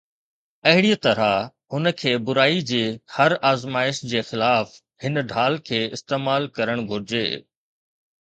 اهڙيءَ طرح هن کي برائي جي هر آزمائش جي خلاف هن ڍال کي استعمال ڪرڻ گهرجي